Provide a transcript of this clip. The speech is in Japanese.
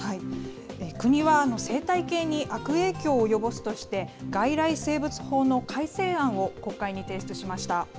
国は生態系に悪影響を及ぼすとして、外来生物法の改正案を国会に提出しました。